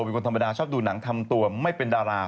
เป็นคนธรรมดาชอบดูหนังทำตัวไม่เป็นดารา